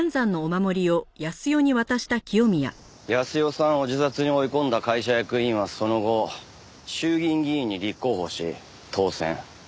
泰代さんを自殺に追い込んだ会社役員はその後衆議院議員に立候補し当選。